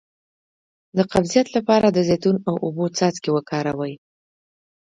د قبضیت لپاره د زیتون او اوبو څاڅکي وکاروئ